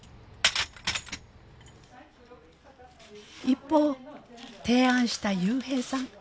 一方提案した侑平さん